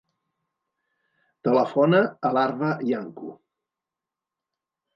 Telefona a l'Arwa Iancu.